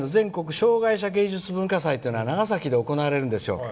障害者芸術文化祭というのが長崎で行われるんですよ。